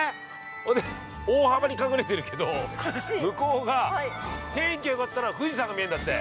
それで大幅に隠れてるけど向こうが、天気がよかったら富士山が見えるんだって。